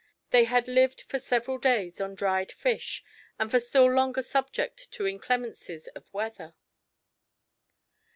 They had lived for several days on dried fish and for still longer subject to inclemencies of weather.